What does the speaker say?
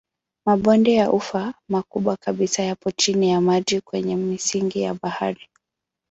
Mabonde ya ufa makubwa kabisa yapo chini ya maji kwenye misingi ya bahari.